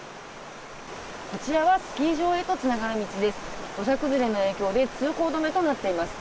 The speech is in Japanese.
こちらはスキー場へとつながる道です。